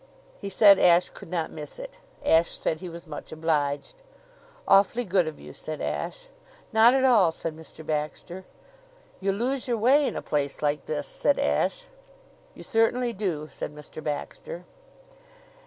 He said Ashe could not miss it. Ashe said he was much obliged. "Awfully good of you," said Ashe. "Not at all," said Mr. Baxter. "You lose your way in a place like this," said Ashe. "You certainly do," said Mr. Baxter.